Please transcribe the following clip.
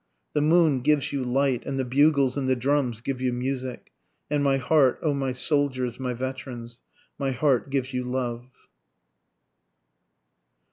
The moon gives you light, And the bugles and the drums give you music, And my heart, O my soldiers, my veterans, My heart gives you love.